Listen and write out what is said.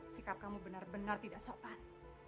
sikap kamu benar benar tidak sopan